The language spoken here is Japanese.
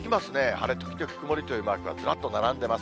晴れ時々曇りというマークがずらっと並んでます。